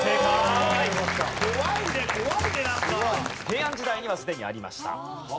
平安時代にはすでにありました。